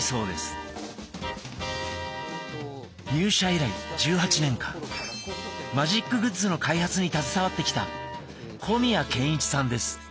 入社以来１８年間マジックグッズの開発に携わってきた小宮賢一さんです。